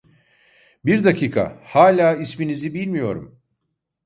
Bir dakika: Hâlâ isminizi bilmiyorum!